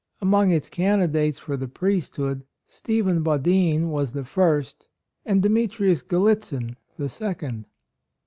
Among its candidates for the priesthood, Stephen Badin was the first and Demetrius Gallitzin the second.